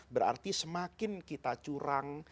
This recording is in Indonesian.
berarti semakin kita curang